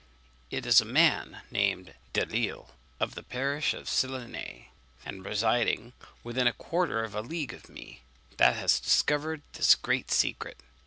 It is a man named Delisle, of the parish of Sylanez, and residing within a quarter of a league of me, that has discovered this great secret.